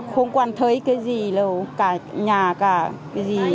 không còn thấy cái gì lâu cả nhà cả cái gì